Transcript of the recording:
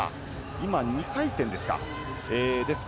今は２回転ですか。